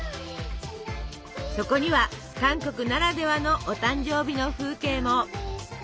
そこには韓国ならではのお誕生日の風景も！